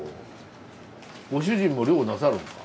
ご主人も漁をなさるんですか？